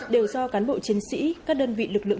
đều do cán bộ chiến sĩ các đơn vị lực lượng